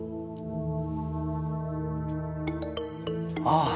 ああ！